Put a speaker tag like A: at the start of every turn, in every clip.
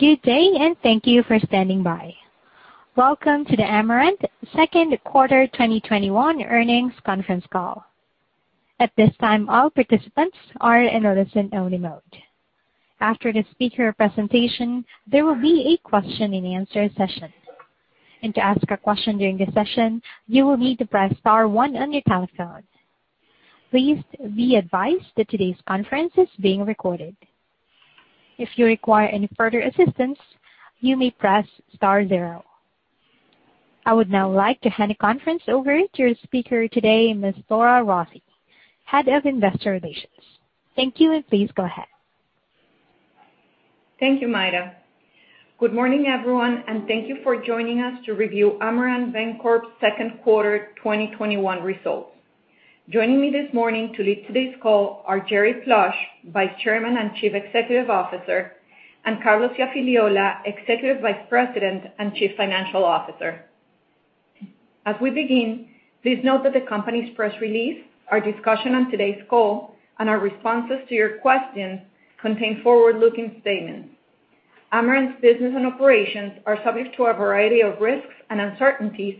A: Good day, and thank you for standing by. Welcome to the Amerant second quarter 2021 earnings conference call. At this time, all participants are in a listen-only mode. After the speaker presentation, there will be a question-and-answer session. To ask a question during the session, you will need to press star one on your telephone. Please be advised that today's conference is being recorded. If you require any further assistance, you may press star zero. I would now like to hand the conference over to your speaker today, Ms. Laura Rossi, Head of Investor Relations. Thank you, and please go ahead.
B: Thank you, Myra. Good morning, everyone, and thank you for joining us to review Amerant Bancorp's second quarter 2021 results. Joining me this morning to lead today's call are Jerry Plush, Vice Chairman and Chief Executive Officer, and Carlos Iafigliola, Executive Vice President and Chief Financial Officer. As we begin, please note that the company's press release, our discussion on today's call, and our responses to your questions contain forward-looking statements. Amerant's business and operations are subject to a variety of risks and uncertainties,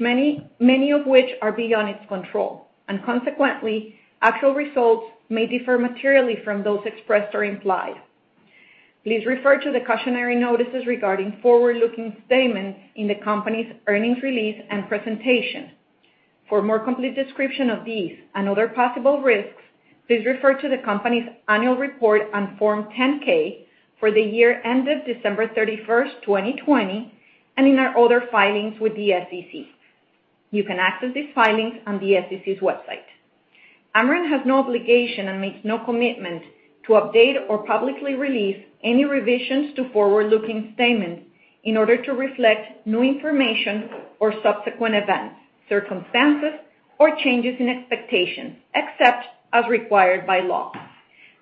B: many of which are beyond its control. Consequently, actual results may differ materially from those expressed or implied. Please refer to the cautionary notices regarding forward-looking statements in the company's earnings release and presentation. For a more complete description of these and other possible risks, please refer to the company's annual report on Form 10-K for the year ended December 31st, 2020, and in our other filings with the SEC. You can access these filings on the SEC's website. Amerant has no obligation and makes no commitment to update or publicly release any revisions to forward-looking statements in order to reflect new information or subsequent events, circumstances, or changes in expectations, except as required by law.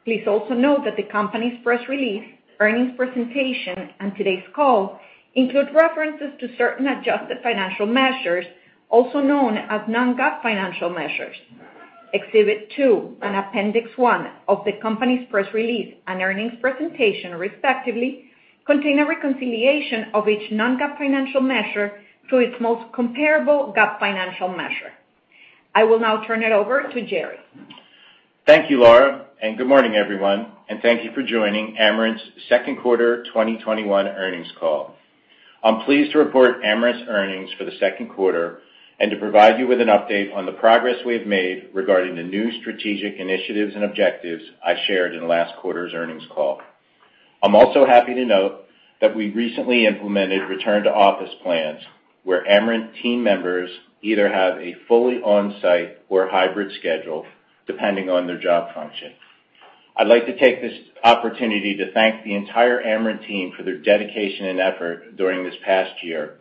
B: Please also note that the company's press release, earnings presentation, and today's call include references to certain adjusted financial measures, also known as non-GAAP financial measures. Exhibit two and appendix one of the company's press release and earnings presentation, respectively, contain a reconciliation of each non-GAAP financial measure to its most comparable GAAP financial measure. I will now turn it over to Jerry.
C: Thank you, Laura, and good morning, everyone, and thank you for joining Amerant's second quarter 2021 earnings call. I'm pleased to report Amerant's earnings for the second quarter and to provide you with an update on the progress we have made regarding the new strategic initiatives and objectives I shared in last quarter's earnings call. I'm also happy to note that we recently implemented return-to-office plans, where Amerant team members either have a fully on-site or hybrid schedule depending on their job function. I'd like to take this opportunity to thank the entire Amerant team for their dedication and effort during this past year,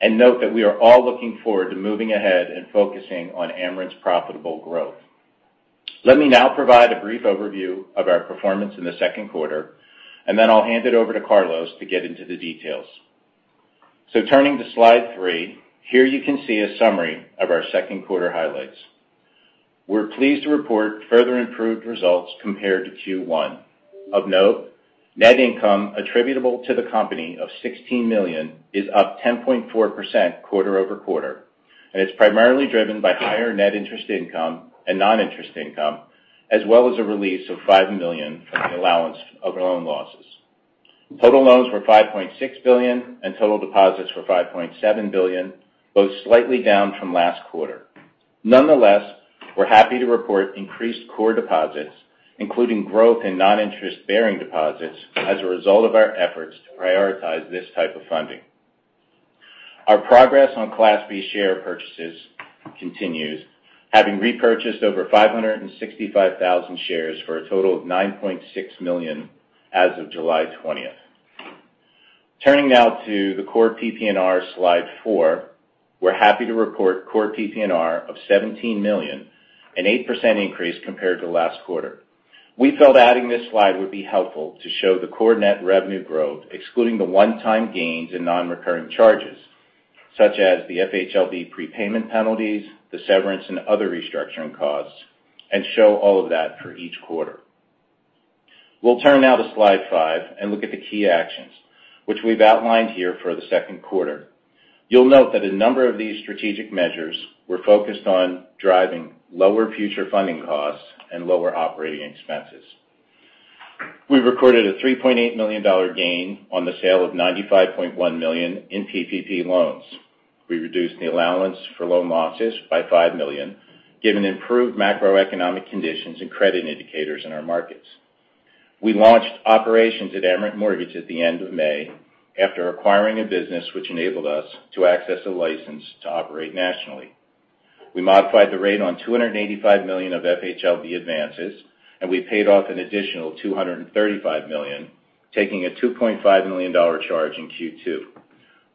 C: and note that we are all looking forward to moving ahead and focusing on Amerant's profitable growth. Let me now provide a brief overview of our performance in the second quarter, and then I'll hand it over to Carlos to get into the details. Turning to slide three, here you can see a summary of our second quarter highlights. We're pleased to report further improved results compared to Q1. Of note, net income attributable to the company of $16 million is up 10.4% quarter-over-quarter, it's primarily driven by higher net interest income and non-interest income, as well as a release of $5 million from the allowance of loan losses. Total loans were $5.6 billion, total deposits were $5.7 billion, both slightly down from last quarter. Nonetheless, we're happy to report increased core deposits, including growth in non-interest-bearing deposits as a result of our efforts to prioritize this type of funding. Our progress on Class B share purchases continues, having repurchased over 565,000 shares for a total of $9.6 million as of July 20th. Turning now to the core PPNR, slide four, we're happy to report core PPNR of $17 million, an 8% increase compared to last quarter. We felt adding this slide would be helpful to show the core net revenue growth, excluding the one-time gains in non-recurring charges, such as the FHLB prepayment penalties, the severance, and other restructuring costs, and show all of that for each quarter. We'll turn now to slide five and look at the key actions which we've outlined here for the second quarter. You'll note that a number of these strategic measures were focused on driving lower future funding costs and lower operating expenses. We recorded a $3.8 million gain on the sale of $95.1 million in PPP loans. We reduced the allowance for loan losses by $5 million, given improved macroeconomic conditions and credit indicators in our markets. We launched operations at Amerant Mortgage at the end of May after acquiring a business which enabled us to access a license to operate nationally. We modified the rate on $285 million of FHLB advances, and we paid off an additional $235 million, taking a $2.5 million charge in Q2.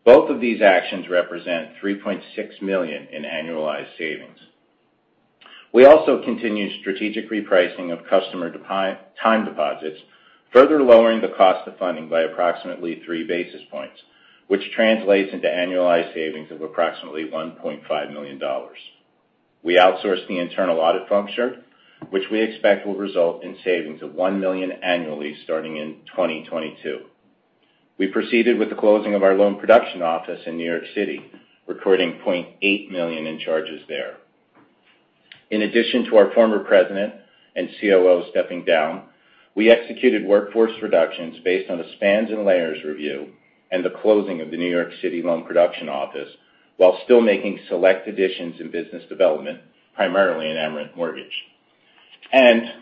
C: Both of these actions represent $3.6 million in annualized savings. We also continued strategic repricing of customer time deposits, further lowering the cost of funding by approximately 3 basis points, which translates into annualized savings of approximately $1.5 million. We outsourced the internal audit function, which we expect will result in savings of $1 million annually starting in 2022. We proceeded with the closing of our loan production office in New York City, recording $0.8 million in charges there. In addition to our former president and COO stepping down, we executed workforce reductions based on a spans and layers review and the closing of the New York City loan production office while still making select additions in business development, primarily in Amerant Mortgage.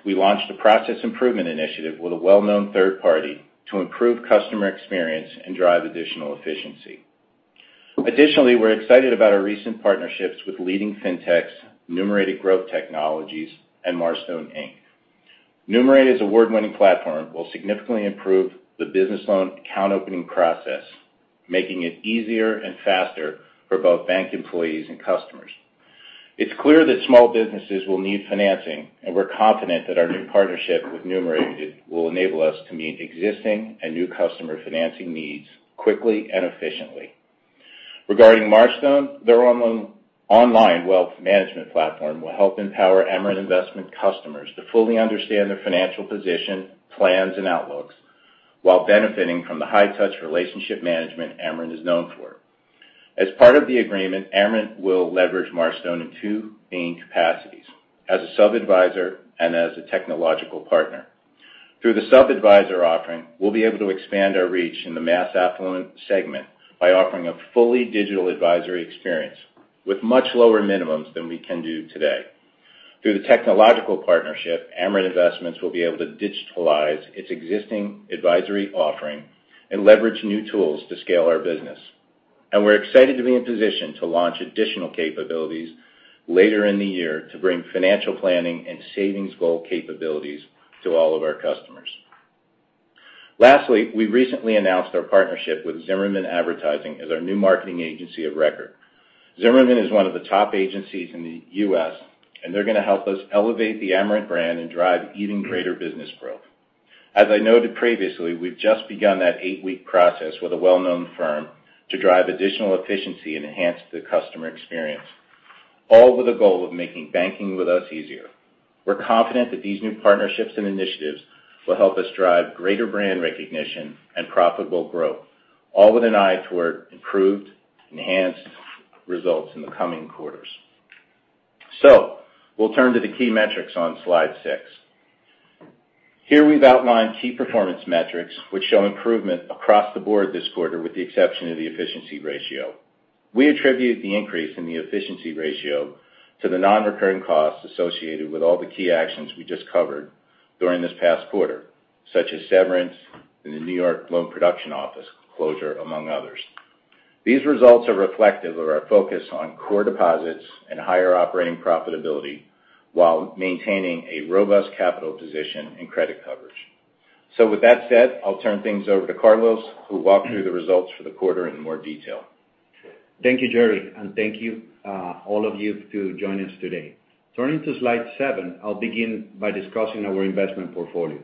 C: We launched a process improvement initiative with a well-known third party to improve customer experience and drive additional efficiency. Additionally, we're excited about our recent partnerships with leading fintechs, Numerated Growth Technologies and Marstone Inc. Numerated's award-winning platform will significantly improve the business loan account opening process, making it easier and faster for both bank employees and customers. It's clear that small businesses will need financing, and we're confident that our new partnership with Numerated will enable us to meet existing and new customer financing needs quickly and efficiently. Regarding Marstone, their online wealth management platform will help empower Amerant Investments customers to fully understand their financial position, plans, and outlooks while benefiting from the high-touch relationship management Amerant is known for. As part of the agreement, Amerant will leverage Marstone in two main capacities, as a sub-advisor and as a technological partner. Through the sub-advisor offering, we'll be able to expand our reach in the mass affluent segment by offering a fully digital advisory experience with much lower minimums than we can do today. Through the technological partnership, Amerant Investments will be able to digitalize its existing advisory offering and leverage new tools to scale our business. We're excited to be in position to launch additional capabilities later in the year to bring financial planning and savings goal capabilities to all of our customers. Lastly, we recently announced our partnership with Zimmerman Advertising as our new marketing agency of record. Zimmerman is one of the top agencies in the U.S., and they're going to help us elevate the Amerant brand and drive even greater business growth. As I noted previously, we've just begun that eight-week process with a well-known firm to drive additional efficiency and enhance the customer experience, all with a goal of making banking with us easier. We're confident that these new partnerships and initiatives will help us drive greater brand recognition and profitable growth, all with an eye toward improved, enhanced results in the coming quarters. We'll turn to the key metrics on slide six. Here we've outlined key performance metrics which show improvement across the board this quarter, with the exception of the efficiency ratio. We attribute the increase in the efficiency ratio to the non-recurring costs associated with all the key actions we just covered during this past quarter, such as severance and the New York loan production office closure, among others. These results are reflective of our focus on core deposits and higher operating profitability while maintaining a robust capital position and credit coverage. With that said, I'll turn things over to Carlos Iafigliola, who'll walk through the results for the quarter in more detail.
D: Thank you, Jerry, and thank you all of you to join us today. Turning to slide seven, I'll begin by discussing our investment portfolio.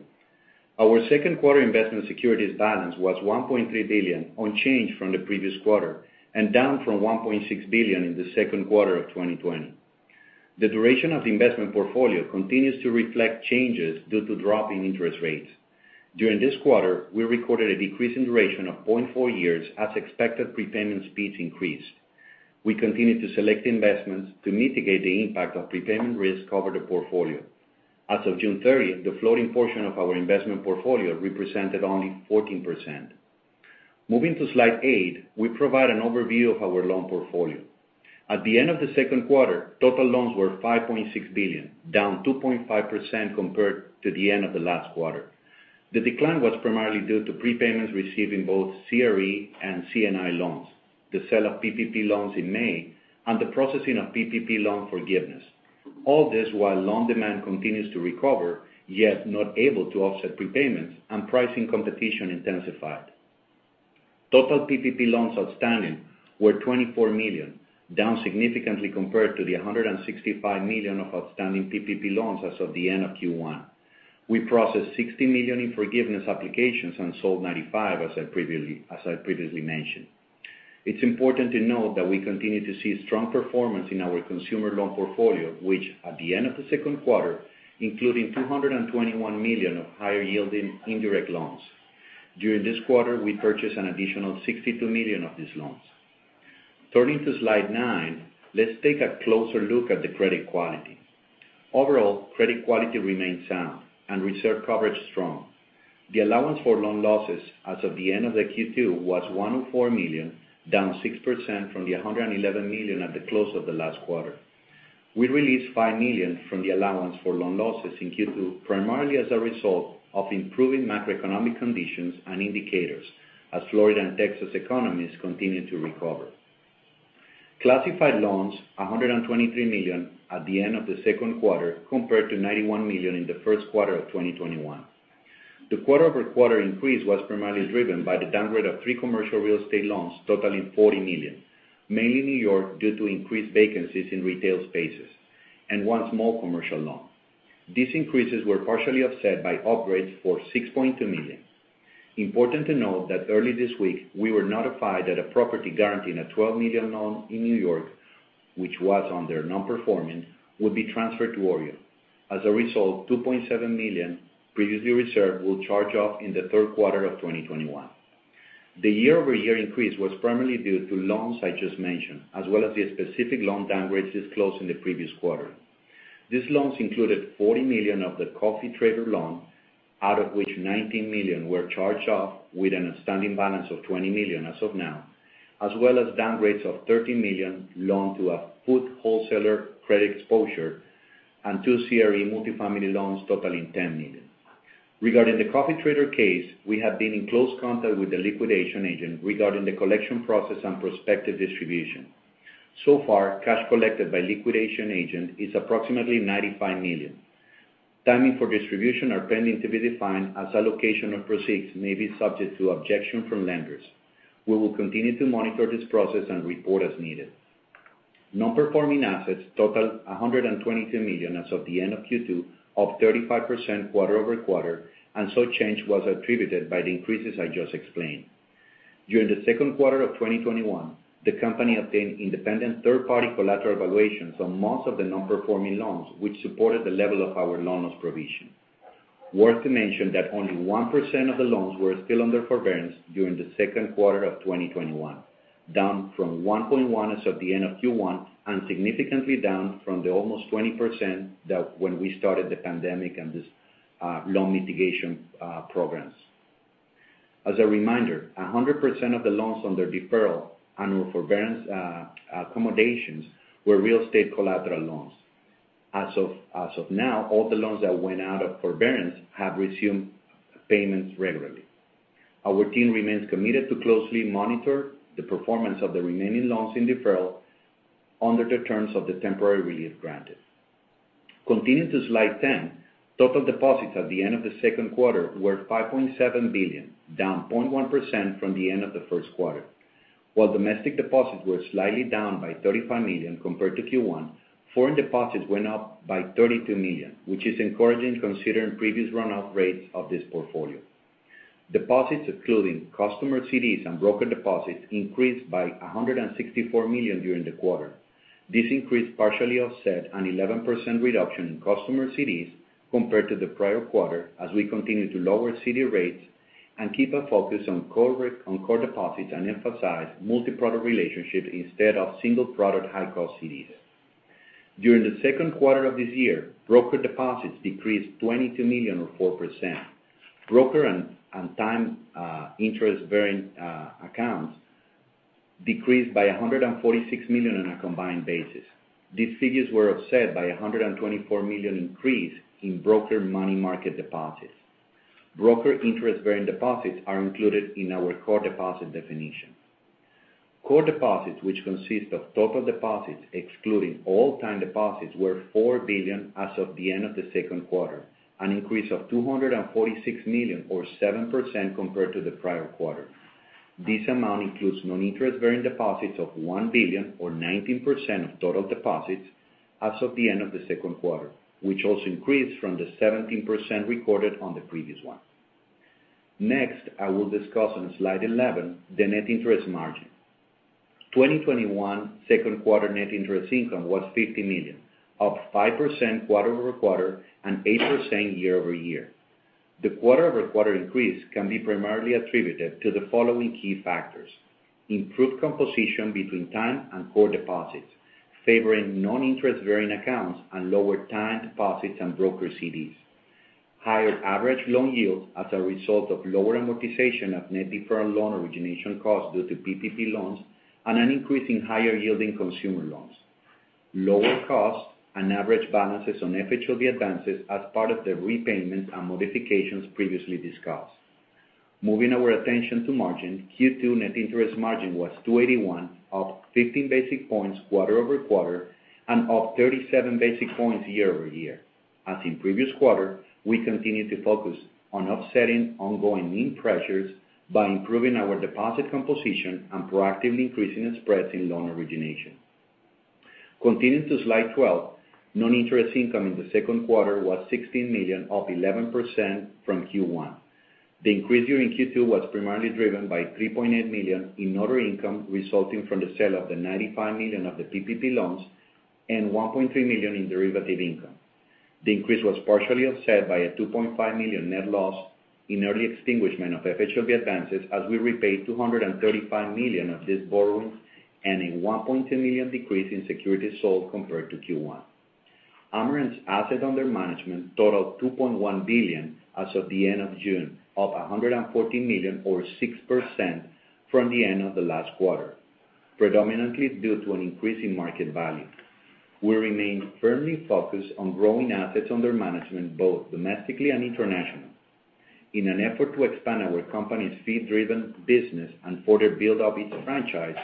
D: Our second quarter investment securities balance was $1.3 billion unchanged from the previous quarter and down from $1.6 billion in the second quarter of 2020. The duration of the investment portfolio continues to reflect changes due to drop in interest rates. During this quarter, we recorded a decrease in duration of 0.4 years as expected prepayment speeds increased. We continued to select investments to mitigate the impact of prepayment risk over the portfolio. As of June 30th, the floating portion of our investment portfolio represented only 14%. Moving to slide eight, we provide an overview of our loan portfolio. At the end of the second quarter, total loans were $5.6 billion, down 2.5% compared to the end of the last quarter. The decline was primarily due to prepayments received in both CRE and C&I loans, the sale of PPP loans in May, and the processing of PPP loan forgiveness. All this while loan demand continues to recover, yet not able to offset prepayments and pricing competition intensified. Total PPP loans outstanding were $24 million, down significantly compared to the $165 million of outstanding PPP loans as of the end of Q1. We processed $60 million in forgiveness applications and sold $95 million, as I previously mentioned. It's important to note that we continue to see strong performance in our consumer loan portfolio, which at the end of the second quarter, including $221 million of higher-yielding indirect loans. During this quarter, we purchased an additional $62 million of these loans. Turning to slide 9, let's take a closer look at the credit quality. Overall, credit quality remains sound and reserve coverage strong. The allowance for loan losses as of the end of Q2 was $104 million, down 6% from the $111 million at the close of the last quarter. We released $5 million from the allowance for loan losses in Q2, primarily as a result of improving macroeconomic conditions and indicators as Florida and Texas economies continue to recover. Classified loans, $123 million at the end of the second quarter compared to $91 million in the first quarter of 2021. The quarter-over-quarter increase was primarily driven by the downgrade of three commercial real estate loans totaling $40 million, mainly New York due to increased vacancies in retail spaces and one small commercial loan. These increases were partially offset by upgrades for $6.2 million. Important to note that early this week, we were notified that a property guaranteeing a $12 million loan in New York, which was under non-performing, would be transferred to OREO. As a result, $2.7 million previously reserved will charge off in the third quarter of 2021. The year-over-year increase was primarily due to loans I just mentioned, as well as the specific loan downgrades disclosed in the previous quarter. These loans included $40 million of the coffee trader loan, out of which $19 million were charged off with an outstanding balance of $20 million as of now, as well as downgrades of $13 million loan to a food wholesaler credit exposure, and two CRE multi-family loans totaling $10 million. Regarding the coffee trader case, we have been in close contact with the liquidation agent regarding the collection process and prospective distribution. So far, cash collected by liquidation agent is approximately $95 million. Timing for distribution are pending to be defined as allocation of proceeds may be subject to objection from lenders. We will continue to monitor this process and report as needed. Non-performing assets totaled $122 million as of the end of Q2, up 35% quarter-over-quarter, such change was attributed by the increases I just explained. During the second quarter of 2021, the company obtained independent third-party collateral evaluations on most of the non-performing loans, which supported the level of our loan loss provision. Worth to mention that only 1% of the loans were still under forbearance during the second quarter of 2021, down from 1.1% as of the end of Q1, significantly down from the almost 20% when we started the pandemic and this loan mitigation programs. As a reminder, 100% of the loans under deferral and/or forbearance accommodations were real estate collateral loans. As of now, all the loans that went out of forbearance have resumed payments regularly. Our team remains committed to closely monitor the performance of the remaining loans in deferral under the terms of the temporary relief granted. Continuing to slide 10, total deposits at the end of the second quarter were $5.7 billion, down 0.1% from the end of the first quarter. While domestic deposits were slightly down by $35 million compared to Q1, foreign deposits went up by $32 million, which is encouraging considering previous run-off rates of this portfolio. Deposits excluding customer CDs and brokered deposits increased by $164 million during the quarter. This increase partially offset an 11% reduction in customer CDs compared to the prior quarter, as we continue to lower CD rates and keep a focus on core deposits and emphasize multi-product relationships instead of single-product high-cost CDs. During the second quarter of this year, brokered deposits decreased $22 million, or 4%. Broker and time interest-bearing accounts decreased by $146 million on a combined basis. These figures were offset by $124 million increase in brokered money market deposits. Brokered interest-bearing deposits are included in our core deposit definition. Core deposits, which consist of total deposits excluding all time deposits, were $4 billion as of the end of the second quarter, an increase of $246 million, or 7%, compared to the prior quarter. This amount includes non-interest-bearing deposits of $1 billion, or 19%, of total deposits as of the end of the second quarter, which also increased from the 17% recorded on the previous one. I will discuss on slide 11 the net interest margin. 2021 second quarter net interest income was $50 million, up 5% quarter-over-quarter and 8% year-over-year. The quarter-over-quarter increase can be primarily attributed to the following key factors. Improved composition between time and core deposits, favoring non-interest-bearing accounts and lower time deposits and broker CDs. Higher average loan yield as a result of lower amortization of net deferred loan origination costs due to PPP loans, and an increase in higher-yielding consumer loans. Lower costs and average balances on FHLB advances as part of the repayments and modifications previously discussed. Moving our attention to margin, Q2 net interest margin was 2.81%, up 15 basis points quarter-over-quarter, and up 37 basis points year-over-year. As in previous quarter, we continue to focus on offsetting ongoing NIM pressures by improving our deposit composition and proactively increasing spreads in loan origination. Continuing to slide 12, non-interest income in the second quarter was $16 million, up 11% from Q1. The increase during Q2 was primarily driven by $3.8 million in other income resulting from the sale of the $95 million of the PPP loans and $1.3 million in derivative income. The increase was partially offset by a $2.5 million net loss in early extinguishment of FHLB advances as we repaid $235 million of this borrowing and a $1.2 million decrease in securities sold compared to Q1. Amerant's assets under management totaled $2.1 billion as of the end of June, up $114 million, or 6%, from the end of the last quarter, predominantly due to an increase in market value. We remain firmly focused on growing assets under management both domestically and internationally. In an effort to expand our company's fee-driven business and further build up its franchise,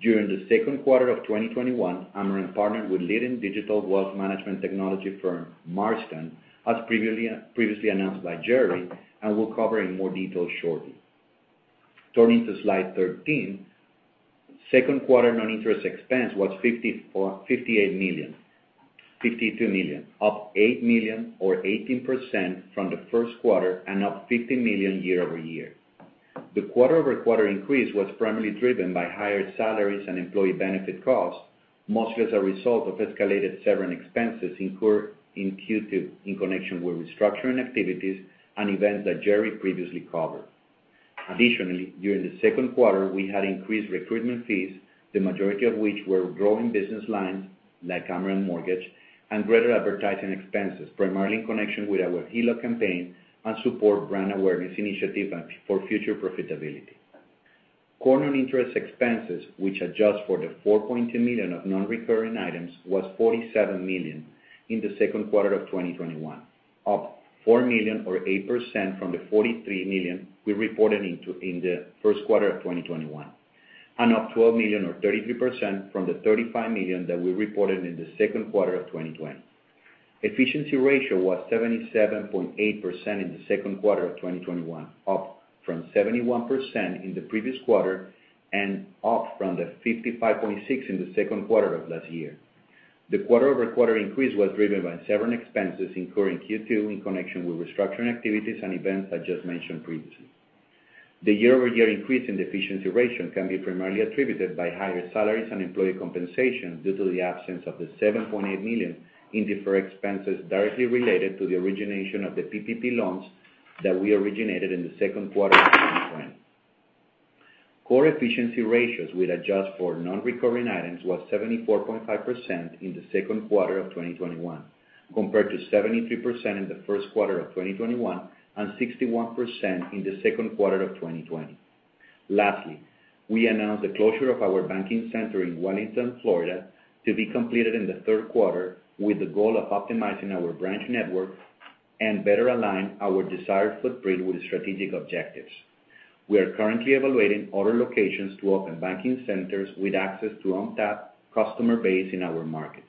D: during the second quarter of 2021, Amerant partnered with leading digital wealth management technology firm Marstone, as previously announced by Jerry, and we'll cover in more detail shortly. Turning to slide 13, second quarter non-interest expense was $52 million, up $8 million or 18% from the first quarter and up $50 million year-over-year. The quarter-over-quarter increase was primarily driven by higher salaries and employee benefit costs, mostly as a result of escalated severance expenses incurred in Q2 in connection with restructuring activities and events that Jerry previously covered. Additionally, during the second quarter, we had increased recruitment fees, the majority of which were growing business lines like Amerant Mortgage and greater advertising expenses, primarily in connection with our HELOC campaign and support brand awareness initiative and for future profitability. Core non-interest expenses, which adjust for the $4.2 million of non-recurring items, was $47 million in the second quarter of 2021, up $4 million or 8% from the $43 million we reported in the first quarter of 2021, and up $12 million or 33% from the $35 million that we reported in the second quarter of 2020. Efficiency ratio was 77.8% in the second quarter of 2021, up from 71% in the previous quarter and up from the 55.6% in the second quarter of last year. The quarter-over-quarter increase was driven by severance expenses incurred in Q2 in connection with restructuring activities and events I just mentioned previously. The year-over-year increase in the efficiency ratio can be primarily attributed to higher salaries and employee compensation due to the absence of the $7.8 million in deferred expenses directly related to the origination of the PPP loans that we originated in the second quarter of 2020. Core efficiency ratios, which adjust for non-recurring items, was 74.5% in the second quarter of 2021, compared to 73% in the first quarter of 2021 and 61% in the second quarter of 2020. We announced the closure of our banking center in Wellington, Florida, to be completed in the third quarter with the goal of optimizing our branch network and better align our desired footprint with strategic objectives. We are currently evaluating other locations to open banking centers with access to untapped customer base in our markets.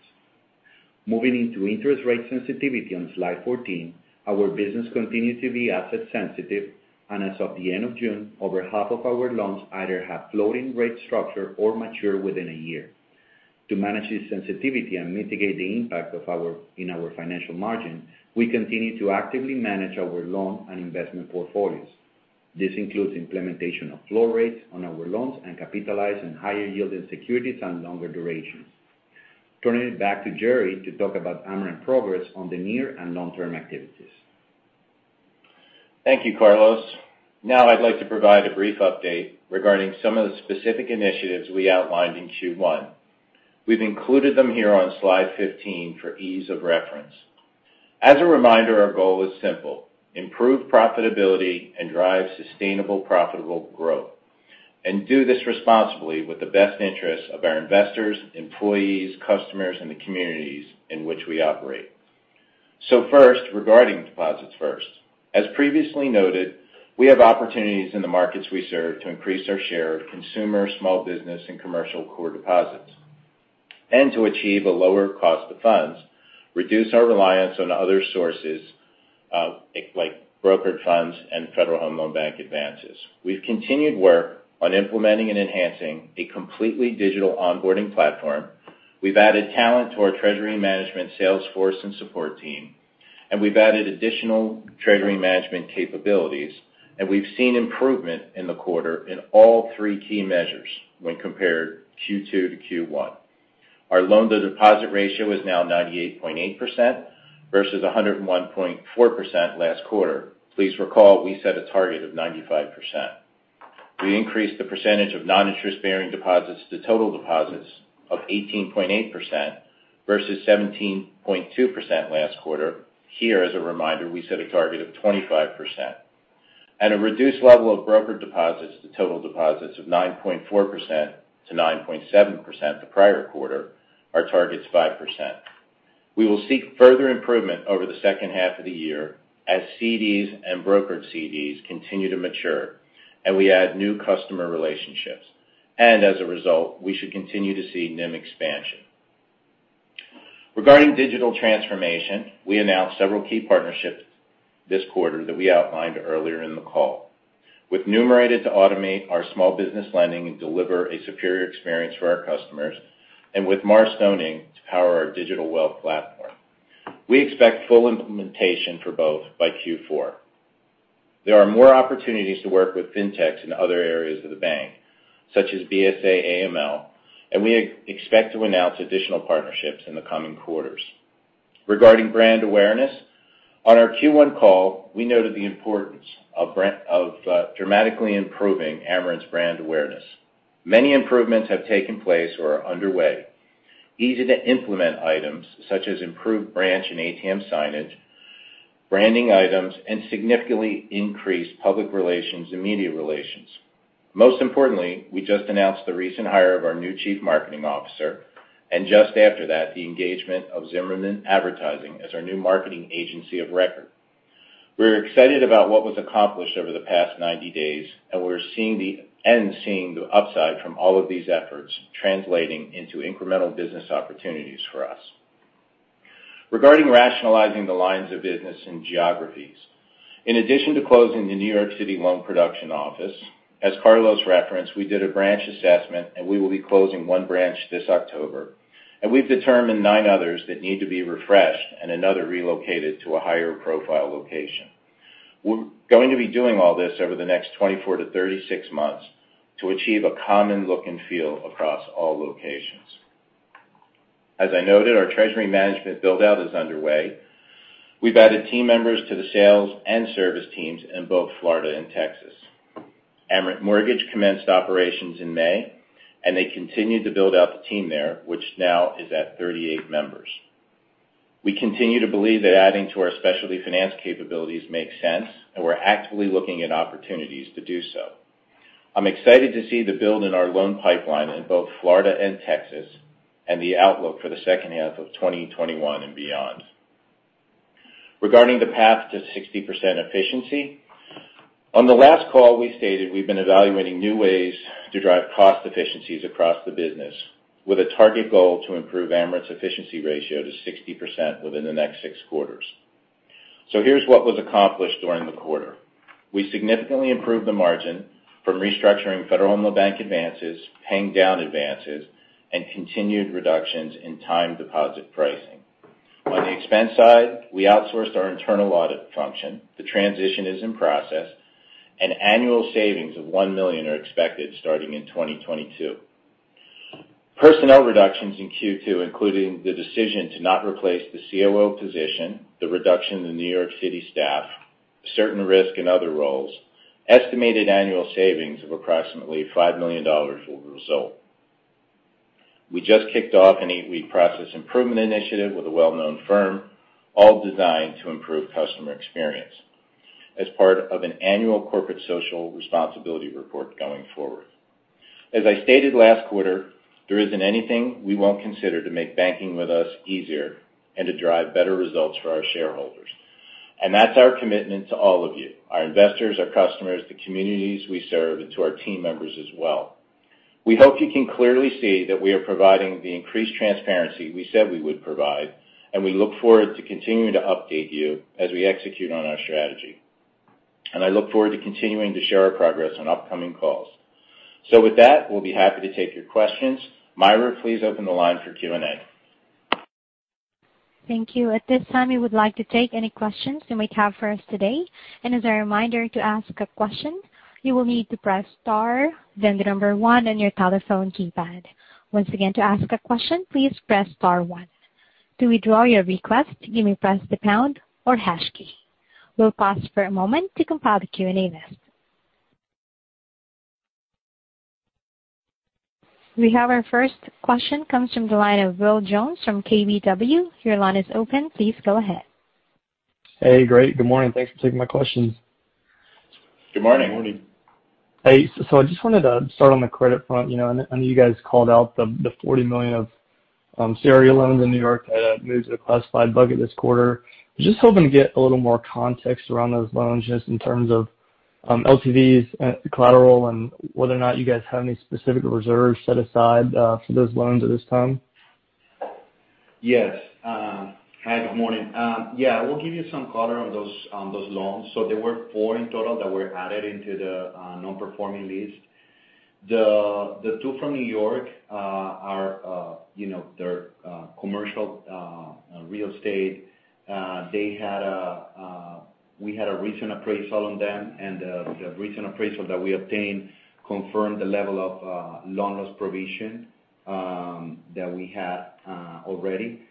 D: Moving into interest rate sensitivity on slide 14, our business continues to be asset sensitive, as of the end of June, over half of our loans either have floating rate structure or mature within a year. To manage this sensitivity and mitigate the impact in our financial margin, we continue to actively manage our loan and investment portfolios. This includes implementation of floor rates on our loans and capitalizing higher yielding securities and longer durations. Turning it back to Jerry to talk about Amerant progress on the near and long-term activities.
C: Thank you, Carlos. Now I'd like to provide a brief update regarding some of the specific initiatives we outlined in Q1. We've included them here on slide 15 for ease of reference. As a reminder, our goal is simple, improve profitability and drive sustainable profitable growth, and do this responsibly with the best interests of our investors, employees, customers, and the communities in which we operate. First, regarding deposits first. As previously noted, we have opportunities in the markets we serve to increase our share of consumer, small business, and commercial core deposits. To achieve a lower cost of funds, reduce our reliance on other sources like brokered funds and Federal Home Loan Bank advances. We've continued work on implementing and enhancing a completely digital onboarding platform. We've added talent to our treasury management sales force and support team, and we've added additional treasury management capabilities, and we've seen improvement in the quarter in all three key measures when compared Q2 to Q1. Our loan-to-deposit ratio is now 98.8% versus 101.4% last quarter. Please recall, we set a target of 95%. We increased the percentage of non-interest-bearing deposits to total deposits of 18.8% versus 17.2% last quarter. Here, as a reminder, we set a target of 25%. A reduced level of brokered deposits to total deposits of 9.4%-9.7% the prior quarter. Our target's 5%. We will seek further improvement over the second half of the year as CDs and brokered CDs continue to mature and we add new customer relationships. As a result, we should continue to see NIM expansion. Regarding digital transformation, we announced several key partnerships this quarter that we outlined earlier in the call: with Numerated to automate our small business lending and deliver a superior experience for our customers, and with Marstone to power our digital wealth platform. We expect full implementation for both by Q4. There are more opportunities to work with fintechs in other areas of the bank, such as BSA/AML, and we expect to announce additional partnerships in the coming quarters. Regarding brand awareness, on our Q1 call, we noted the importance of dramatically improving Amerant's brand awareness. Many improvements have taken place or are underway, easy-to-implement items such as improved branch and ATM signage, branding items, and significantly increased public relations and media relations. Most importantly, we just announced the recent hire of our new Chief Marketing Officer, and just after that, the engagement of Zimmerman Advertising as our new marketing agency of record. We're excited about what was accomplished over the past 90 days, and we're seeing the upside from all of these efforts translating into incremental business opportunities for us. Regarding rationalizing the lines of business and geographies. In addition to closing the NYC loan production office, as Carlos referenced, we did a branch assessment, and we will be closing one branch this October. We've determined nine others that need to be refreshed and another relocated to a higher profile location. We're going to be doing all this over the next 24 to 36 months to achieve a common look and feel across all locations. As I noted, our treasury management build-out is underway. We've added team members to the sales and service teams in both Florida and Texas. Amerant Mortgage commenced operations in May, and they continued to build out the team there, which now is at 38 members. We continue to believe that adding to our specialty finance capabilities makes sense, and we're actively looking at opportunities to do so. I'm excited to see the build in our loan pipeline in both Florida and Texas and the outlook for the second half of 2021 and beyond. Regarding the path to 60% efficiency, on the last call, we stated we've been evaluating new ways to drive cost efficiencies across the business with a target goal to improve Amerant's efficiency ratio to 60% within the next six quarters. Here's what was accomplished during the quarter. We significantly improved the margin from restructuring Federal Home Loan Bank advances, paying down advances, and continued reductions in time deposit pricing. On the expense side, we outsourced our internal audit function. The transition is in process, and annual savings of $1 million are expected starting in 2022. Personnel reductions in Q2, including the decision to not replace the COO position, the reduction in the New York City staff, certain risk and other roles, estimated annual savings of approximately $5 million will result. We just kicked off an eight-week process improvement initiative with a well-known firm, all designed to improve customer experience as part of an annual corporate social responsibility report going forward. As I stated last quarter, there isn't anything we won't consider to make banking with us easier and to drive better results for our shareholders. That's our commitment to all of you, our investors, our customers, the communities we serve, and to our team members as well. We hope you can clearly see that we are providing the increased transparency we said we would provide, and we look forward to continuing to update you as we execute on our strategy. I look forward to continuing to share our progress on upcoming calls. With that, we'll be happy to take your questions. Myra, please open the line for Q&A.
A: Thank you. At this time, we would like to take any questions you may have for us today. As a reminder, to ask a question, you will need to press star, then the number one on your telephone keypad. Once again, to ask a question, please press star one. To withdraw your request, you may press the pound or hash key. We'll pause for a moment to compile the Q&A list. We have our first question, comes from the line of Will Jones from KBW. Your line is open. Please go ahead.
E: Hey, great. Good morning. Thanks for taking my questions.
C: Good morning.
D: Good morning.
E: Hey. I just wanted to start on the credit front. I know you guys called out the $40 million of CRE loans in New York that moved to the classified bucket this quarter. I was just hoping to get a little more context around those loans, just in terms of LTVs, collateral, and whether or not you guys have any specific reserves set aside for those loans at this time.
D: Yes. Hi, good morning. We'll give you some color on those loans. There were four in total that were added into the non-performing list. The two from New York, they're commercial real estate. We had a recent appraisal on them, and the recent appraisal that we obtained confirmed the level of loan loss provision that we had already.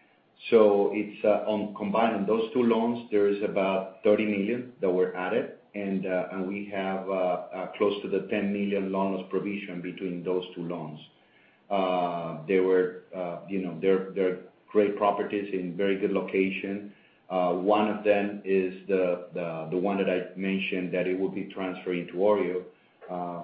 D: On combining those 2 loans, there is about $30 million that were added, and we have close to the $10 million loan loss provision between those 2 loans. They're great properties in very good location. One of them is the one that I mentioned that it will be transferring to OREO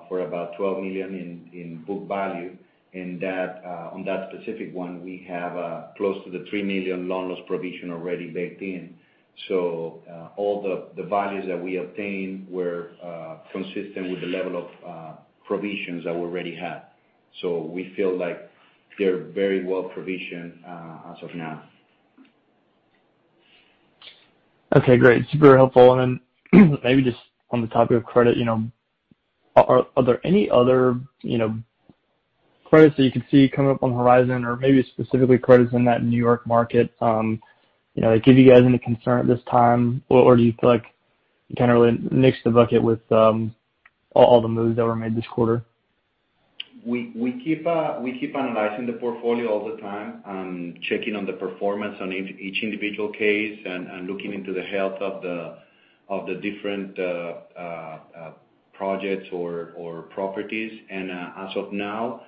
D: for about $12 million in book value. On that specific one, we have close to the $3 million loan loss provision already baked in. All the values that we obtained were consistent with the level of provisions that we already had. We feel like they're very well-provisioned as of now.
E: Okay, great. Super helpful. Maybe just on the topic of credit, are there any other credits that you can see coming up on the horizon or maybe specifically credits in that New York market that give you guys any concern at this time, or do you feel like you kind of really niched the bucket with all the moves that were made this quarter?
D: We keep analyzing the portfolio all the time and checking on the performance on each individual case and looking into the health of the different projects or properties. As of now,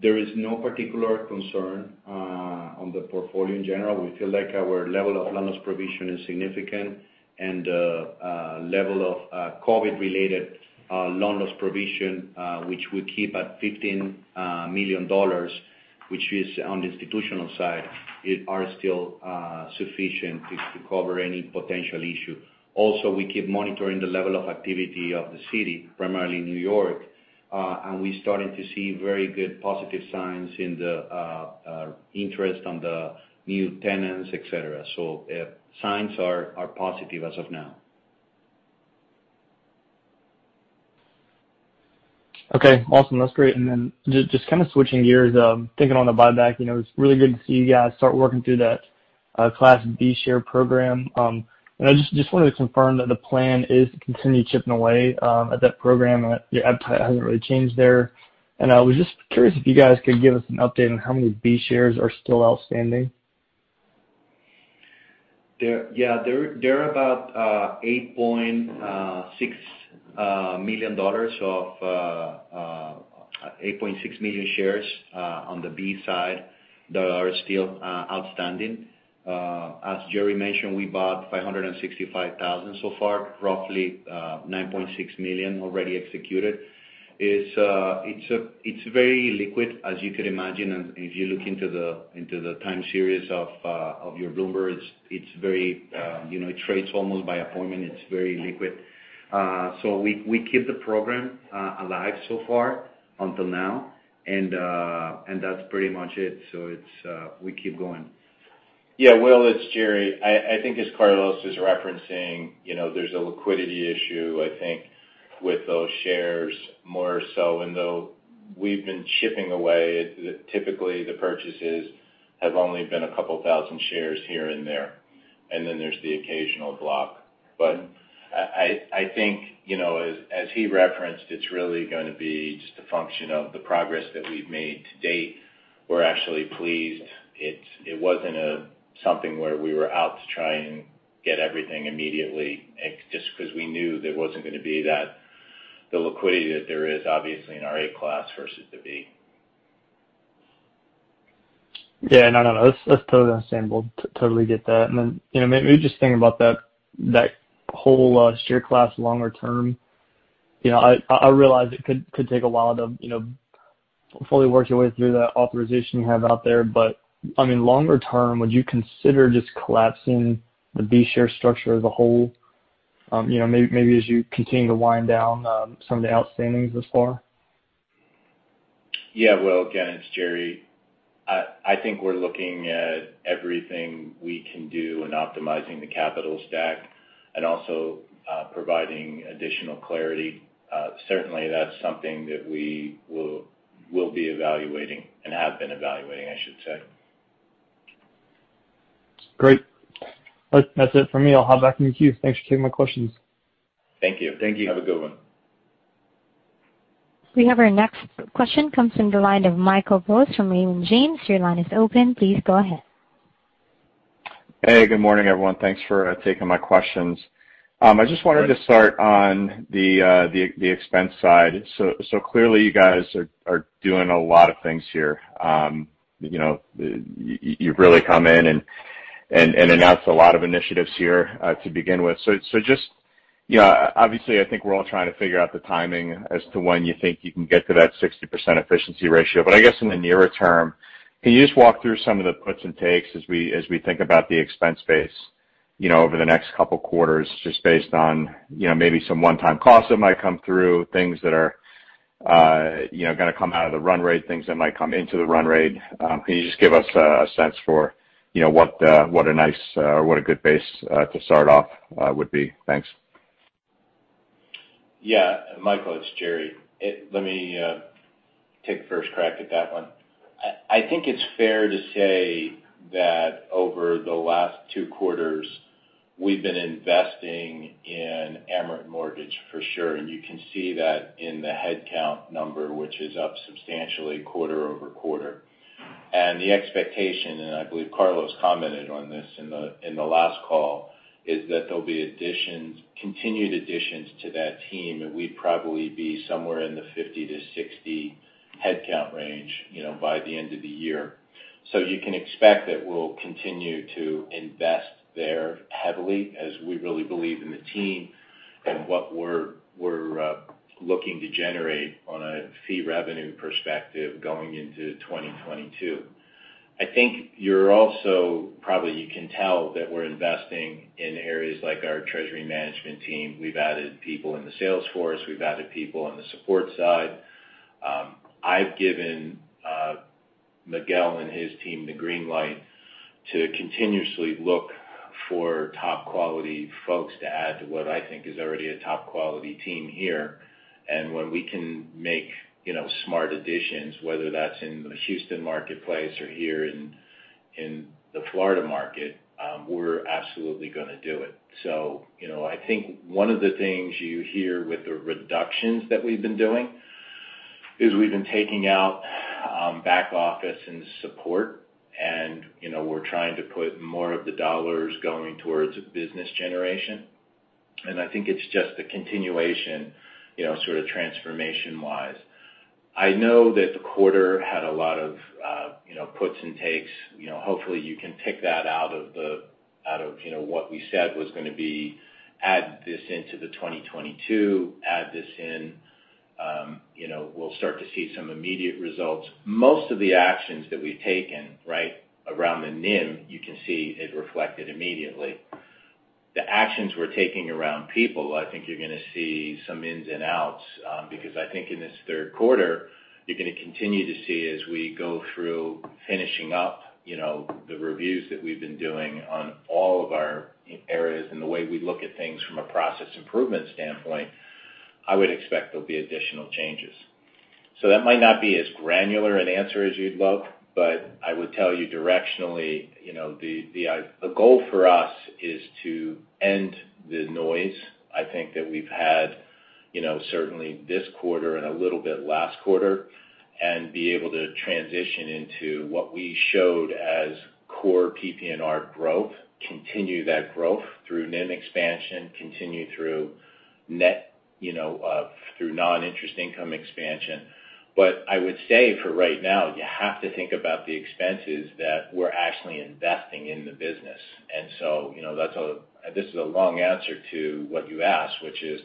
D: there is no particular concern on the portfolio in general. We feel like our level of loan loss provision is significant and the level of COVID-related loan loss provision which we keep at $15 million, which is on the institutional side, are still sufficient to cover any potential issue. We keep monitoring the level of activity of the city, primarily NY, and we're starting to see very good positive signs in the interest on the new tenants, et cetera. Signs are positive as of now.
E: Okay, awesome. That's great. Just switching gears, thinking on the buyback. It's really good to see you guys start working through that Class B share program. I just wanted to confirm that the plan is to continue chipping away at that program, and your appetite hasn't really changed there. I was just curious if you guys could give us an update on how many B shares are still outstanding.
D: There are about 8.6 million shares on the Class B side that are still outstanding. As Jerry mentioned, we bought 565,000 so far. Roughly 9.6 million already executed. It's very liquid, as you could imagine. If you look into the time series of your Bloomberg, it trades almost by appointment. It's very liquid. We keep the program alive so far, until now. That's pretty much it. We keep going.
C: Yeah, Will Jones, it's Jerry Plush. I think as Carlos Iafigliola is referencing, there's a liquidity issue, I think, with those shares more so. Though we've been chipping away, typically the purchases have only been a couple thousand shares here and there. Then there's the occasional block. I think, as he referenced, it's really going to be just a function of the progress that we've made to date. We're actually pleased it wasn't something where we were out to try and get everything immediately, just because we knew there wasn't going to be that, the liquidity that there is obviously in our Class A versus the Class B.
E: Yeah, no, no. That's totally understandable. Totally get that. Maybe just thinking about that whole share class longer term. I realize it could take a while to fully work your way through that authorization you have out there, but I mean, longer term, would you consider just collapsing the Class B share structure as a whole? Maybe as you continue to wind down some of the outstandings thus far.
C: Yeah, Will, again, it's Jerry. I think we're looking at everything we can do in optimizing the capital stack and also providing additional clarity. Certainly, that's something that we will be evaluating and have been evaluating, I should say.
E: Great. That's it for me. I'll hop back in the queue. Thanks for taking my questions.
C: Thank you.
D: Thank you.
C: Have a good one.
A: We have our next question, comes from the line of Michael Rose from Raymond James. Your line is open. Please go ahead.
F: Hey, good morning, everyone. Thanks for taking my questions. I just wanted to start on the expense side. Clearly you guys are doing a lot of things here. You've really come in and announced a lot of initiatives here to begin with. Obviously I think we're all trying to figure out the timing as to when you think you can get to that 60% efficiency ratio. I guess in the nearer term, can you just walk through some of the puts and takes as we think about the expense base over the next couple quarters, just based on maybe some one-time costs that might come through, things that are going to come out of the run rate, things that might come into the run rate. Can you just give us a sense for what a nice, or what a good base to start off would be? Thanks.
C: Yeah. Michael, it's Jerry. Let me take first crack at that one. I think it's fair to say that over the last two quarters, we've been investing in Amerant Mortgage, for sure, and you can see that in the headcount number, which is up substantially quarter-over-quarter. The expectation, and I believe Carlos commented on this in the last call, is that there'll be continued additions to that team, and we'd probably be somewhere in the 50-60 headcount range by the end of the year. You can expect that we'll continue to invest there heavily as we really believe in the team and what we're looking to generate on a fee revenue perspective going into 2022. I think you're also, probably you can tell that we're investing in areas like our treasury management team. We've added people in the sales force. We've added people on the support side. I've given Miguel and his team the green light to continuously look for top quality folks to add to what I think is already a top quality team here. When we can make smart additions, whether that's in the Houston marketplace or here in the Florida market, we're absolutely going to do it. I think one of the things you hear with the reductions that we've been doing is we've been taking out back office and support and we're trying to put more of the $ going towards business generation. I think it's just a continuation sort of transformation wise. I know that the quarter had a lot of puts and takes. Hopefully you can take that out of what we said was going to be add this into the 2022. We'll start to see some immediate results. Most of the actions that we've taken around the NIM, you can see it reflected immediately. The actions we're taking around people, I think you're going to see some ins and outs, because I think in this third quarter, you're going to continue to see as we go through finishing up the reviews that we've been doing on all of our areas and the way we look at things from a process improvement standpoint. I would expect there'll be additional changes. That might not be as granular an answer as you'd love, but I would tell you directionally, the goal for us is to end the noise. I think that we've had certainly this quarter and a little bit last quarter, and be able to transition into what we showed as core PPNR growth, continue that growth through NIM expansion, continue through non-interest income expansion. I would say for right now, you have to think about the expenses that we're actually investing in the business. This is a long answer to what you asked, which is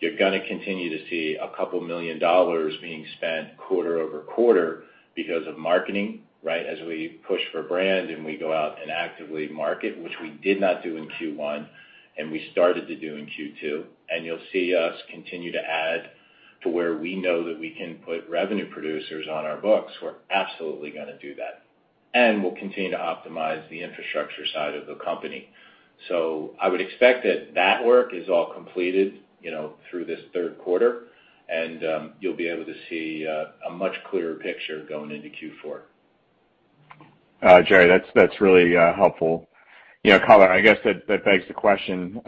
C: you're going to continue to see $2 million being spent quarter-over-quarter because of marketing. As we push for brand and we go out and actively market, which we did not do in Q1, and we started to do in Q2, and you'll see us continue to add to where we know that we can put revenue producers on our books. We're absolutely going to do that. We'll continue to optimize the infrastructure side of the company. I would expect that that work is all completed through this third quarter, and you'll be able to see a much clearer picture going into Q4.
F: Jerry, that's really helpful. Carlos, I guess that begs the question,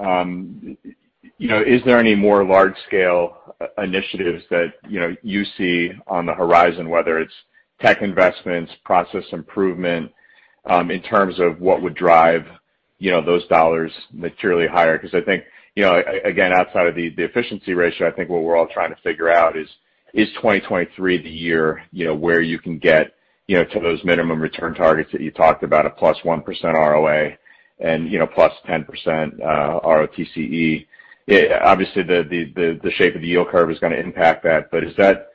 F: is there any more large-scale initiatives that you see on the horizon, whether it's tech investments, process improvement, in terms of what would drive those dollars materially higher? I think, again, outside of the efficiency ratio, I think what we're all trying to figure out is 2023 the year where you can get to those minimum return targets that you talked about, a +1% ROA and +10% ROTCE? Obviously, the shape of the yield curve is going to impact that, but is that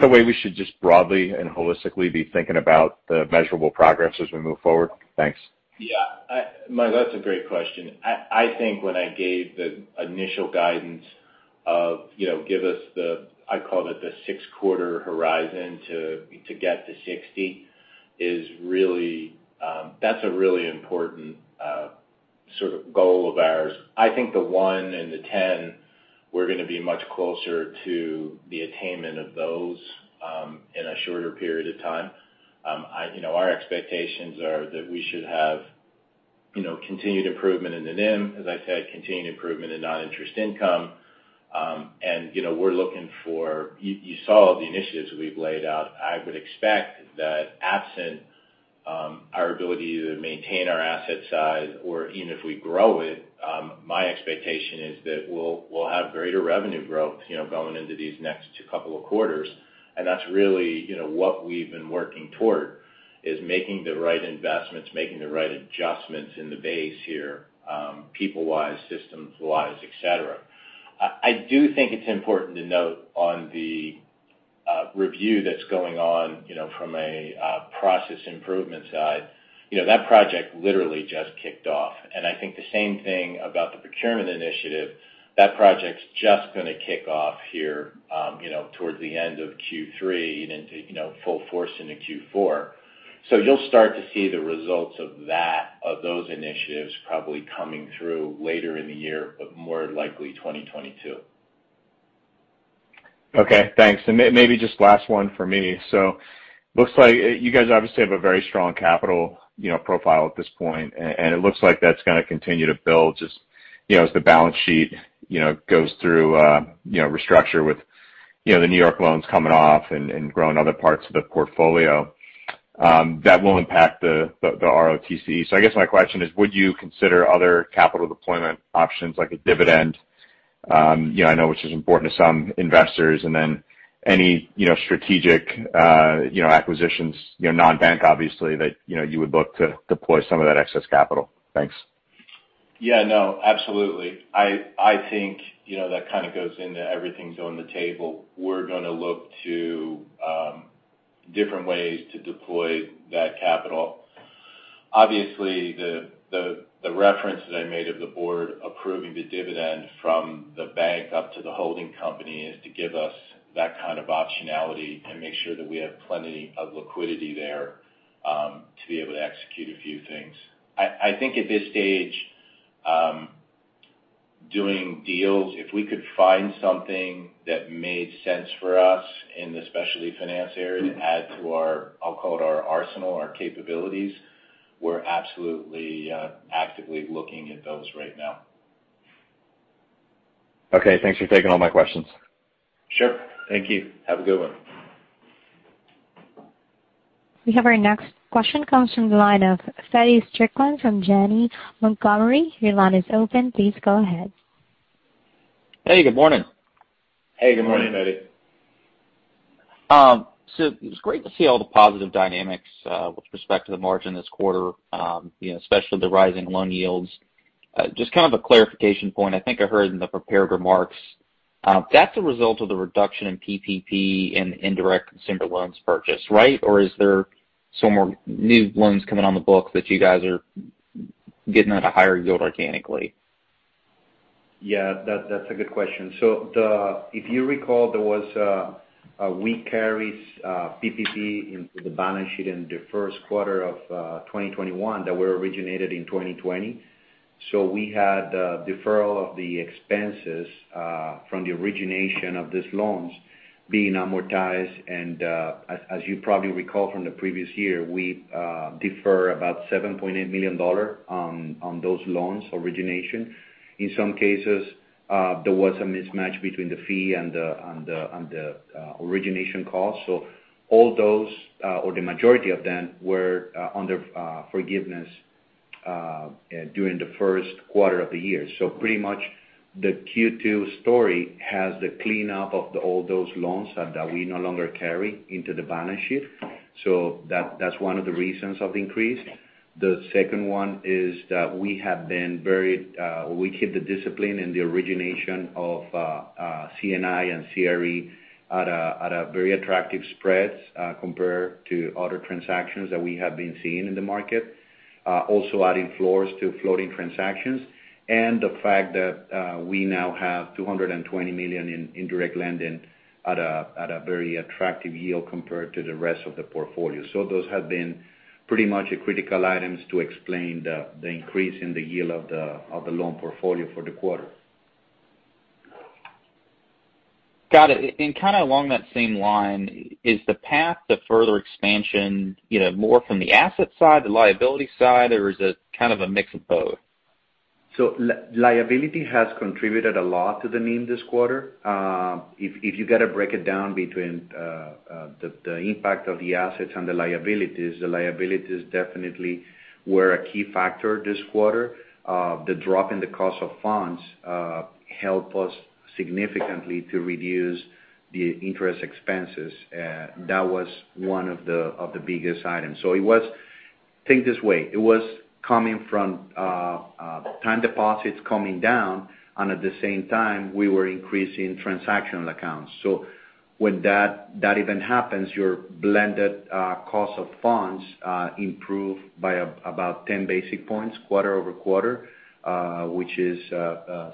F: the way we should just broadly and holistically be thinking about the measurable progress as we move forward? Thanks.
C: Yeah. Mike, that's a great question. I think when I gave the initial guidance of give us the, I call it the six-quarter horizon to get to 60, that's a really important sort of goal of ours. I think the one and the 10, we're going to be much closer to the attainment of those in a shorter period of time. Our expectations are that we should have continued improvement in the NIM, as I said, continued improvement in non-interest income. You saw the initiatives we've laid out. I would expect that absent our ability to maintain our asset size or even if we grow it, my expectation is that we'll have greater revenue growth going into these next couple of quarters. That's really what we've been working toward, is making the right investments, making the right adjustments in the base here, people-wise, systems-wise, et cetera. I do think it's important to note on the review that's going on from a process improvement side. That project literally just kicked off. I think the same thing about the procurement initiative. That project's just going to kick off here towards the end of Q3 and into full force into Q4. You'll start to see the results of those initiatives probably coming through later in the year, but more likely 2022.
F: Okay, thanks. Maybe just last one for me. Looks like you guys obviously have a very strong capital profile at this point, and it looks like that's going to continue to build just as the balance sheet goes through restructure with the New York loans coming off and growing other parts of the portfolio. That will impact the ROTCE. I guess my question is, would you consider other capital deployment options like a dividend? I know which is important to some investors, any strategic acquisitions, non-bank obviously, that you would look to deploy some of that excess capital. Thanks.
C: No, absolutely. I think that kind of goes into everything's on the table. We're going to look to different ways to deploy that capital. Obviously, the reference that I made of the board approving the dividend from the bank up to the holding company is to give us that kind of optionality and make sure that we have plenty of liquidity there to be able to execute a few things. I think at this stage, doing deals, if we could find something that made sense for us in the specialty finance area to add to our, I'll call it our arsenal, our capabilities, we're absolutely actively looking at those right now.
F: Okay. Thanks for taking all my questions.
C: Sure. Thank you. Have a good one.
A: We have our next question comes from the line of Feddie Strickland from Janney Montgomery. Your line is open. Please go ahead.
G: Hey, good morning.
C: Hey, good morning, Feddie.
G: It's great to see all the positive dynamics with respect to the margin this quarter, especially the rising loan yields. Just kind of a clarification point. I think I heard in the prepared remarks, that's a result of the reduction in PPP in indirect consumer loans purchased, right? Or is there some more new loans coming on the books that you guys are getting at a higher yield organically?
D: Yeah, that's a good question. If you recall, we carry PPP into the balance sheet in the first quarter of 2021 that were originated in 2020. We had deferral of the expenses from the origination of these loans being amortized. As you probably recall from the previous year, we defer about $7.8 million on those loans origination. In some cases, there was a mismatch between the fee and the origination cost. All those, or the majority of them, were under forgiveness during the first quarter of the year. Pretty much the Q2 story has the cleanup of all those loans that we no longer carry into the balance sheet. That's one of the reasons of the increase. The second one is that we keep the discipline in the origination of C&I and CRE at a very attractive spreads compared to other transactions that we have been seeing in the market. Also adding floors to floating transactions. The fact that we now have $220 million in indirect lending at a very attractive yield compared to the rest of the portfolio. Those have been pretty much critical items to explain the increase in the yield of the loan portfolio for the quarter.
G: Got it. Kind of along that same line, is the path to further expansion more from the asset side, the liability side, or is it kind of a mix of both?
D: Liability has contributed a lot to the NIM this quarter. If you got to break it down between the impact of the assets and the liabilities, the liabilities definitely were a key factor this quarter. The drop in the cost of funds help us significantly to reduce the interest expenses. That was one of the biggest items. Think this way, it was coming from time deposits coming down, and at the same time, we were increasing transactional accounts. When that event happens, your blended cost of funds improve by about 10 basis points quarter-over-quarter, which is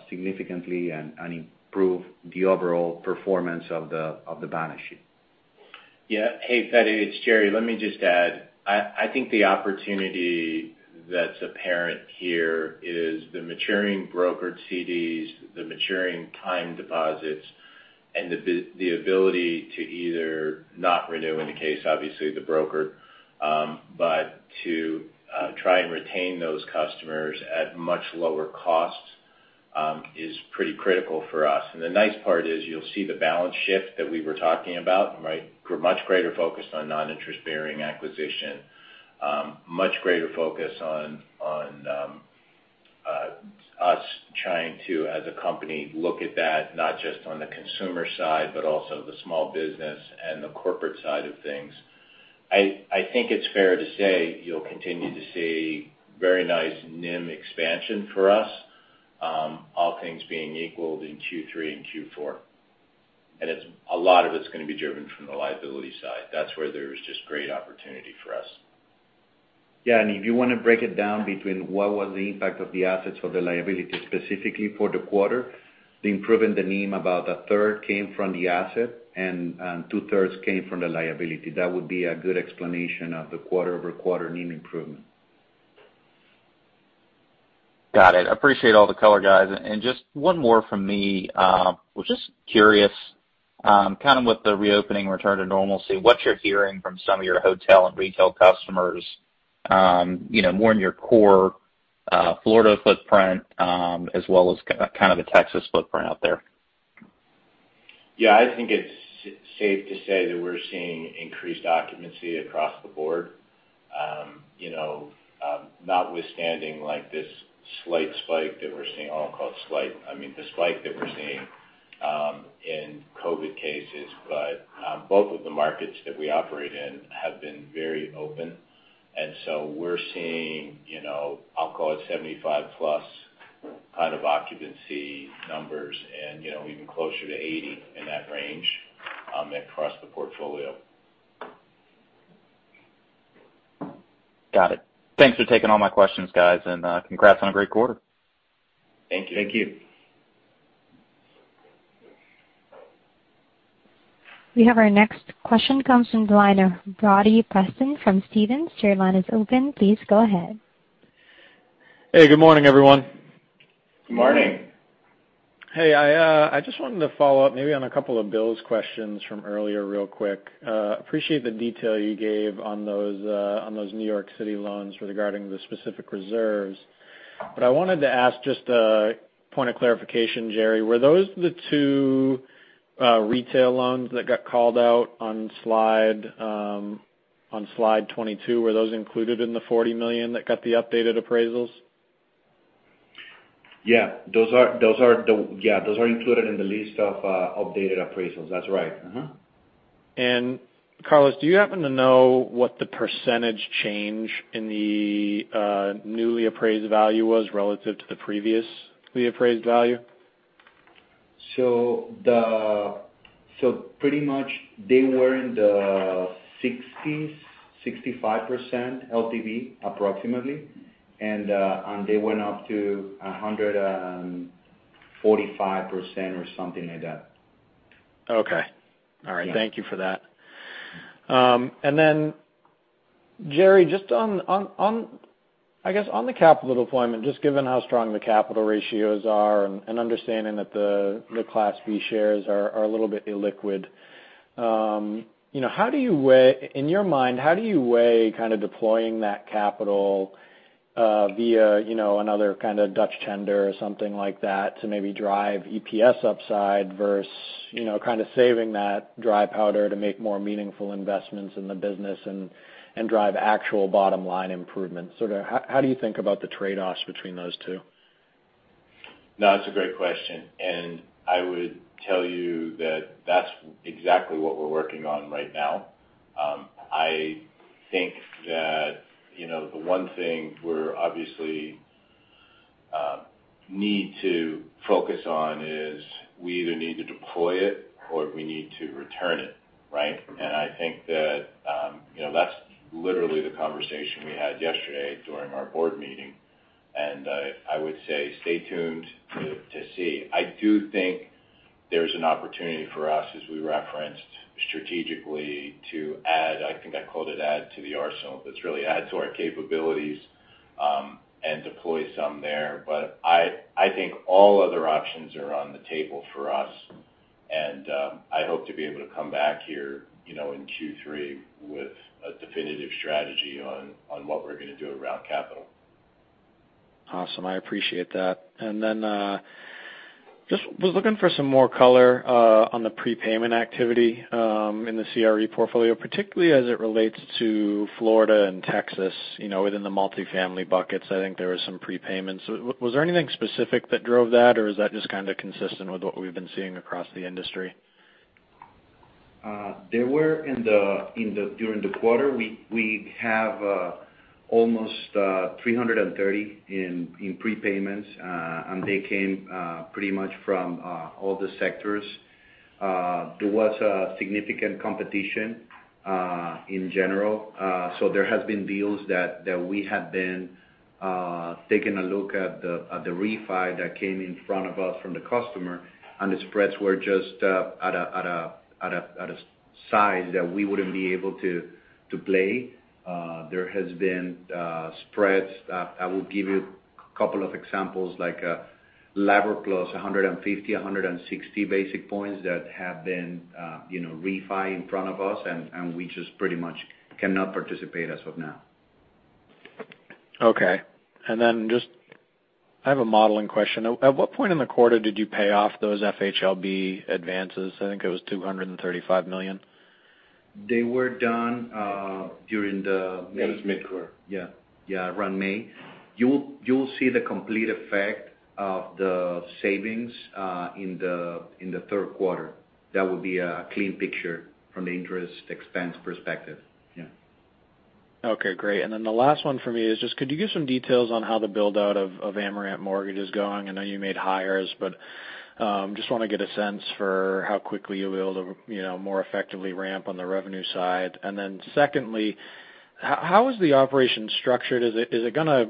D: significantly, and improve the overall performance of the balance sheet.
C: Yeah. Hey, Feddie, it's Jerry Plush. Let me just add, I think the opportunity that's apparent here is the maturing brokered CDs, the maturing time deposits, and the ability to either not renew in the case, obviously, the broker. To try and retain those customers at much lower costs is pretty critical for us. The nice part is you'll see the balance shift that we were talking about, right? Much greater focus on non-interest-bearing acquisition. Much greater focus on us trying to, as a company, look at that, not just on the consumer side, but also the small business and the corporate side of things. I think it's fair to say you'll continue to see very nice NIM expansion for us, all things being equal in Q3 and Q4. A lot of it's going to be driven from the liability side. That's where there's just great opportunity for us.
D: Yeah, if you want to break it down between what was the impact of the assets for the liability specifically for the quarter, the improvement in the NIM, about a third came from the asset and two-thirds came from the liability. That would be a good explanation of the quarter-over-quarter NIM improvement.
G: Got it. Appreciate all the color, guys. Just one more from me. Was just curious, kind of with the reopening return to normalcy, what you're hearing from some of your hotel and retail customers, more in your core Florida footprint as well as kind of the Texas footprint out there.
C: Yeah, I think it's safe to say that we're seeing increased occupancy across the board. Notwithstanding like this slight spike that we're seeing, I won't call it slight. I mean, the spike that we're seeing in COVID cases. Both of the markets that we operate in have been very open. We're seeing, I'll call it 75%+ kind of occupancy numbers and even closer to 80%, in that range across the portfolio.
G: Got it. Thanks for taking all my questions, guys, and congrats on a great quarter.
C: Thank you.
D: Thank you.
A: We have our next question comes from the line of Brody Preston from Stephens.
H: Hey, good morning, everyone.
C: Good morning.
D: Good morning.
H: Hey, I just wanted to follow up maybe on a couple of Will's questions from earlier real quick. Appreciate the detail you gave on those New York City loans regarding the specific reserves. I wanted to ask just a point of clarification, Jerry. Were those the two retail loans that got called out on Slide 22? Were those included in the $40 million that got the updated appraisals?
D: Yeah. Those are included in the list of updated appraisals. That's right.
H: Carlos, do you happen to know what the % change in the newly appraised value was relative to the previously appraised value?
D: pretty much they were in the 60s, 65% LTV approximately. they went up to 145% or something like that.
H: Okay. All right.
D: Yeah.
H: Thank you for that. Then, Jerry, just on the capital deployment, just given how strong the capital ratios are and understanding that the Class B shares are a little bit illiquid. In your mind, how do you weigh kind of deploying that capital via another kind of Dutch tender or something like that to maybe drive EPS upside versus kind of saving that dry powder to make more meaningful investments in the business and drive actual bottom-line improvements? Sort of how do you think about the trade-offs between those two?
C: No, it's a great question, and I would tell you that that's exactly what we're working on right now. I think that the one thing we obviously need to focus on is we either need to deploy it or we need to return it, right? I think that that's literally the conversation we had yesterday during our board meeting, and I would say stay tuned to see. I do think there's an opportunity for us, as we referenced strategically to add, I think I called it add to the arsenal, but it's really add to our capabilities, and deploy some there. I think all other options are on the table for us, and I hope to be able to come back here in Q3 with a definitive strategy on what we're going to do around capital.
H: Awesome. I appreciate that. Then, just was looking for some more color on the prepayment activity, in the CRE portfolio, particularly as it relates to Florida and Texas, within the multifamily buckets. I think there were some prepayments. Was there anything specific that drove that, or is that just kind of consistent with what we've been seeing across the industry?
D: There were during the quarter. We have almost $330 million in prepayments. They came pretty much from all the sectors. There was significant competition in general. There has been deals that we have been taking a look at the refi that came in front of us from the customer, and the spreads were just at a size that we wouldn't be able to play. There has been spreads, I will give you a couple of examples like LIBOR plus 150, 160 basis points that have been refi in front of us, and we just pretty much cannot participate as of now.
H: Okay. Just I have a modeling question. At what point in the quarter did you pay off those FHLB advances? I think it was $235 million.
D: They were done during the May-
C: It was mid-quarter.
D: Yeah. Around May. You'll see the complete effect of the savings in the third quarter. That would be a clean picture from the interest expense perspective. Yeah.
H: Okay, great. The last one from me is just could you give some details on how the build-out of Amerant Mortgage is going? I know you made hires, but just want to get a sense for how quickly you'll be able to more effectively ramp on the revenue side. Secondly, how is the operation structured? Are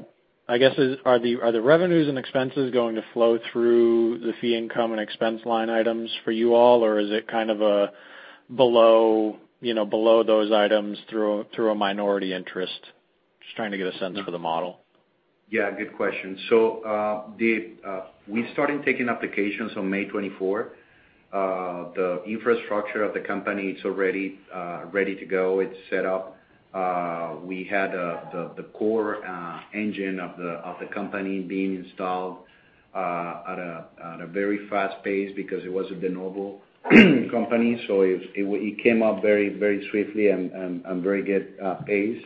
H: the revenues and expenses going to flow through the fee income and expense line items for you all, or is it kind of below those items through a minority interest? Just trying to get a sense for the model.
D: Yeah, good question. Brody, we started taking applications on May 24th. The infrastructure of the company, it's ready to go. It's set up. We had the core engine of the company being installed at a very fast pace because it was a de novo company, so it came up very swiftly and very good pace.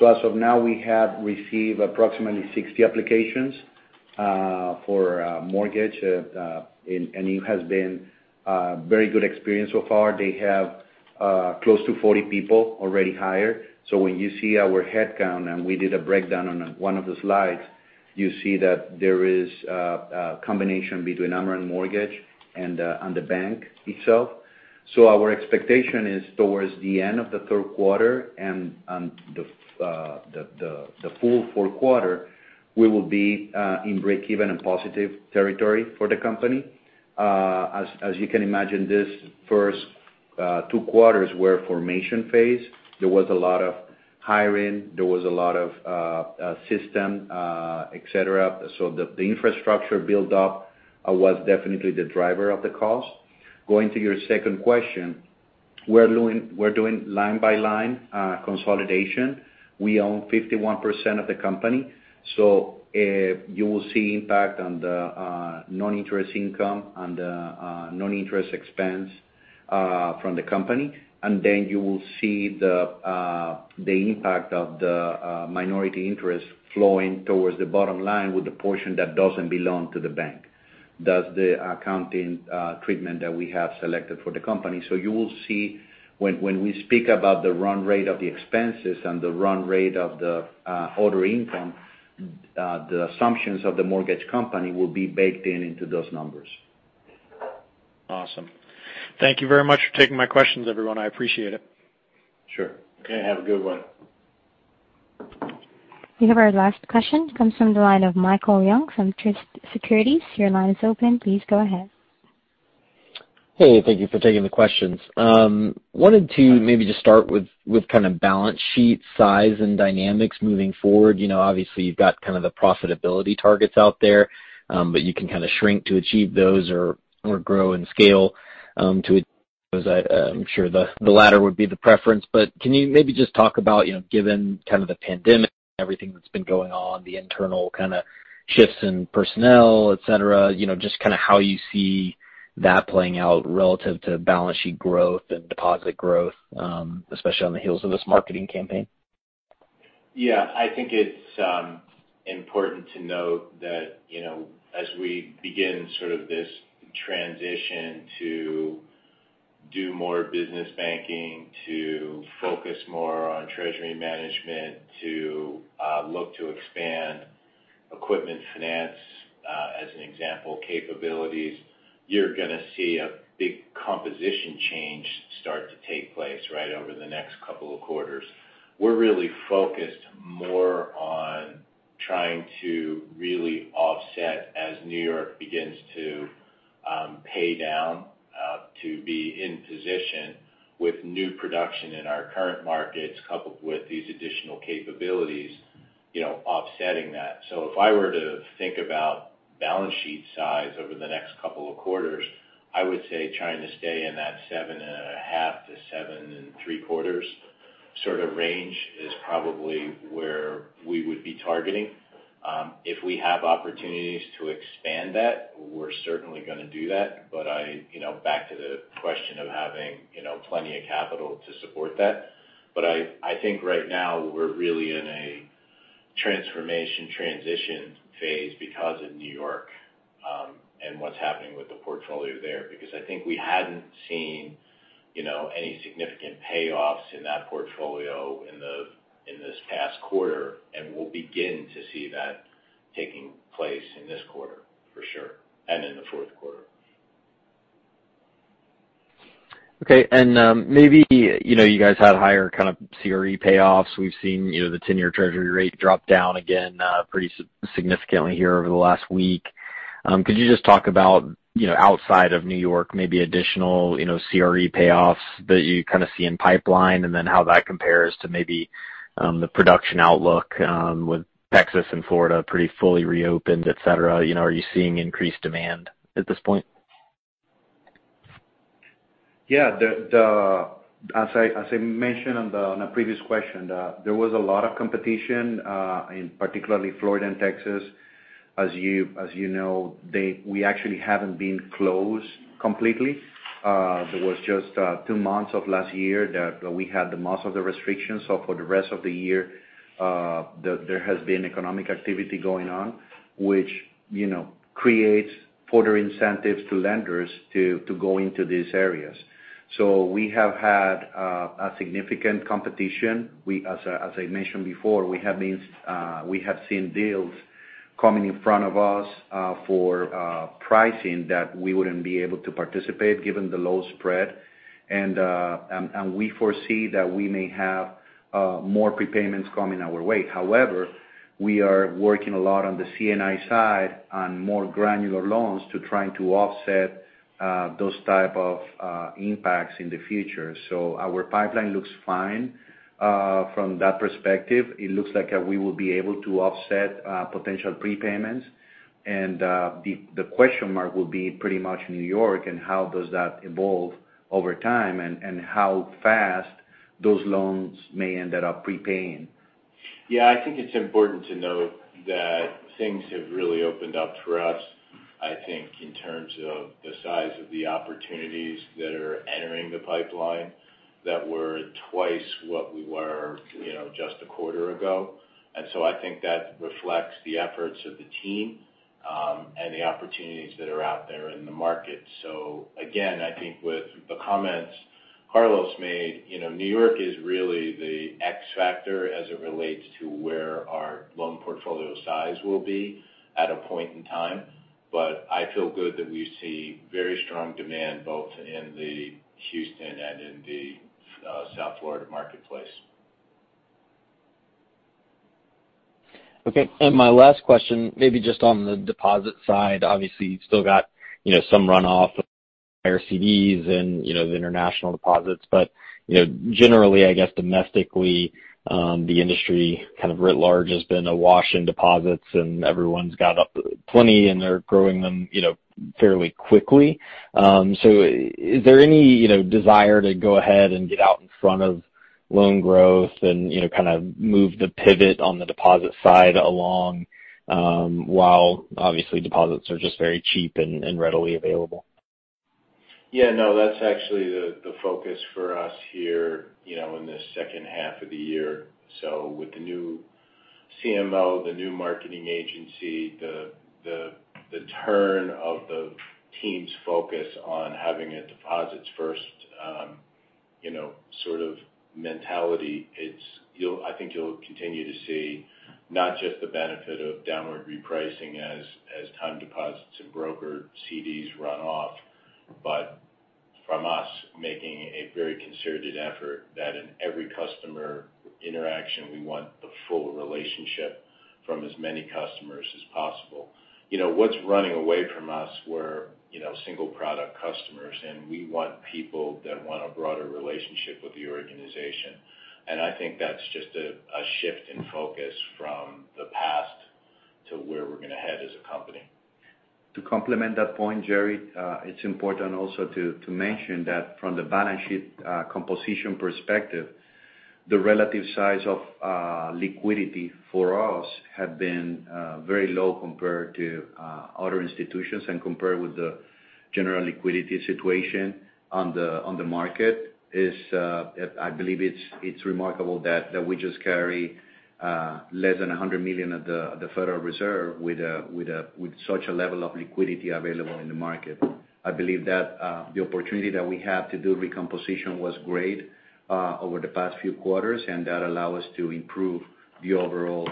D: As of now, we have received approximately 60 applications for a mortgage, and it has been a very good experience so far. They have close to 40 people already hired. When you see our headcount, and we did a breakdown on one of the slides, you see that there is a combination between Amerant Mortgage and the bank itself. Our expectation is towards the end of the third quarter and the full fourth quarter, we will be in break-even and positive territory for the company. As you can imagine, these first two quarters were formation phase. There was a lot of hiring. There was a lot of system, et cetera. The infrastructure build-up was definitely the driver of the cost. Going to your second question, we're doing line-by-line consolidation. We own 51% of the company, you will see impact on the non-interest income and non-interest expense from the company. You will see the impact of the minority interest flowing towards the bottom line with the portion that doesn't belong to the bank. That's the accounting treatment that we have selected for the company. You will see when we speak about the run rate of the expenses and the run rate of the other income, the assumptions of the mortgage company will be baked into those numbers.
H: Awesome. Thank you very much for taking my questions, everyone. I appreciate it.
C: Sure. Okay, have a good one.
A: We have our last question. Comes from the line of Michael Young from Truist Securities. Your line is open. Please go ahead.
I: Hey, thank you for taking the questions. Wanted to maybe just start with kind of balance sheet size and dynamics moving forward. Obviously, you've got kind of the profitability targets out there. You can kind of shrink to achieve those or grow and scale to achieve those. I'm sure the latter would be the preference. Can you maybe just talk about, given kind of the pandemic, everything that's been going on, the internal kind of shifts in personnel, et cetera, just kind of how you see that playing out relative to balance sheet growth and deposit growth, especially on the heels of this marketing campaign.
C: Yeah. I think it's important to note that as we begin sort of this transition to do more business banking, to focus more on treasury management, to look to expand equipment finance, as an example, capabilities, you're going to see a big composition change start to take place right over the next couple of quarters. We're really focused more on trying to really offset as New York begins to pay down to be in position with new production in our current markets, coupled with these additional capabilities offsetting that. If I were to think about balance sheet size over the next couple of quarters, I would say trying to stay in that $7.5 billion-$7.75 billion sort of range is probably where we would be targeting. If we have opportunities to expand that, we're certainly going to do that. Back to the question of having plenty of capital to support that. I think right now we're really in a transformation transition phase because of New York, and what's happening with the portfolio there. I think we hadn't seen any significant payoffs in that portfolio in this past quarter, and we'll begin to see that taking place in this quarter for sure, and in the fourth quarter.
I: Okay. Maybe you guys had higher kind of CRE payoffs. We've seen the 10-year Treasury rate drop down again pretty significantly here over the last week. Could you just talk about outside of New York, maybe additional CRE payoffs that you kind of see in pipeline, and then how that compares to maybe the production outlook with Texas and Florida pretty fully reopened, et cetera? Are you seeing increased demand at this point?
D: Yeah. As I mentioned on a previous question, there was a lot of competition, in particular Florida and Texas. As you know, we actually haven't been closed completely. There was just two months of last year that we had the most of the restrictions. For the rest of the year, there has been economic activity going on, which creates further incentives to lenders to go into these areas. We have had a significant competition. As I mentioned before, we have seen deals coming in front of us for pricing that we wouldn't be able to participate given the low spread. We foresee that we may have more prepayments coming our way. However, we are working a lot on the C&I side on more granular loans to try to offset those type of impacts in the future. Our pipeline looks fine from that perspective. It looks like we will be able to offset potential prepayments. The question mark will be pretty much New York and how does that evolve over time, and how fast those loans may end up prepaying.
C: Yeah, I think it's important to note that things have really opened up for us, I think, in terms of the size of the opportunities that are entering the pipeline that were twice what we were just a quarter ago. I think that reflects the efforts of the team, and the opportunities that are out there in the market. Again, I think with the comments Carlos made, New York is really the X factor as it relates to where our loan portfolio size will be at a point in time. I feel good that we see very strong demand both in the Houston and in the South Florida marketplace.
I: Okay. My last question, maybe just on the deposit side, obviously you still got some runoff from higher CDs and the international deposits. Generally, I guess domestically, the industry kind of writ large has been awash in deposits and everyone's got plenty and they're growing them fairly quickly. Is there any desire to go ahead and get out in front of loan growth and kind of move the pivot on the deposit side along, while obviously deposits are just very cheap and readily available?
C: Yeah, no, that's actually the focus for us here in this second half of the year. With the new CMO, the new marketing agency, the turn of the team's focus on having a deposits first sort of mentality, I think you'll continue to see not just the benefit of downward repricing as time deposits and broker CDs run off, but from us making a very concerted effort that in every customer interaction, we want the full relationship from as many customers as possible. What's running away from us were single product customers, and we want people that want a broader relationship with the organization. I think that's just a shift in focus from the past to where we're going to head as a company.
D: To complement that point, Jerry, it's important also to mention that from the balance sheet composition perspective, the relative size of liquidity for us had been very low compared to other institutions and compared with the general liquidity situation on the market. I believe it's remarkable that we just carry less than $100 million at the Federal Reserve with such a level of liquidity available in the market. I believe that the opportunity that we have to do recomposition was great over the past few quarters. That allow us to improve the overall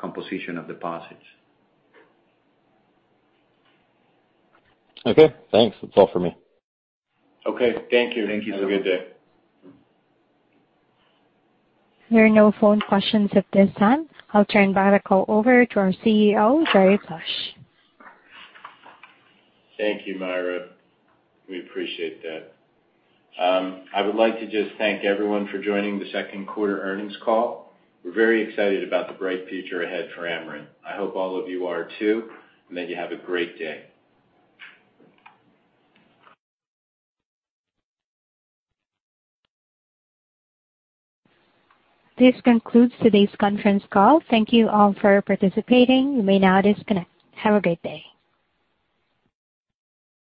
D: composition of deposits.
I: Okay, thanks. That's all for me.
C: Okay, thank you.
D: Thank you.
C: Have a good day.
A: There are no phone questions at this time. I'll turn back the call over to our CEO, Jerry Plush.
C: Thank you, Myra. We appreciate that. I would like to just thank everyone for joining the second quarter earnings call. We're very excited about the bright future ahead for Amerant. I hope all of you are too, and that you have a great day.
A: This concludes today's conference call. Thank you all for participating. You may now disconnect. Have a great day.